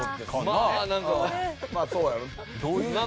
まあそうやろな。